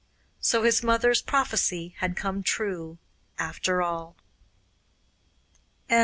So his mother's prophecy had come true, after all.